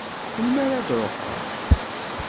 Melmi ara d-ruḥeɣ?